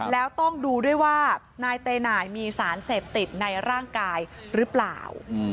แล้วต้องดูด้วยว่านายเตหน่ายมีสารเสพติดในร่างกายหรือเปล่า